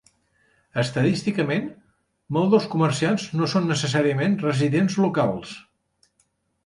Estadísticament, molts dels comerciants no són necessàriament residents locals.